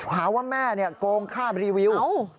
หาว่าแม่เนี่ยโกงข้าบรีวิว